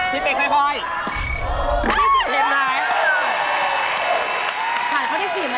ถูกกว่าถูกกว่าถูกกว่า